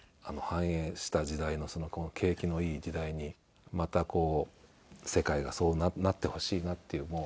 繁栄した時代の景気のいい時代にまたこう世界がそうなってほしいなっていう。